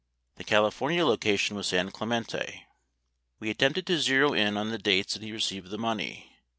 The California location was San Clemente. We attempted to zero in on the dates that he received the money.